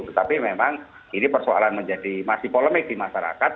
tetapi memang ini persoalan menjadi masih polemik di masyarakat